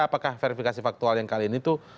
apakah verifikasi faktual yang kali ini tuh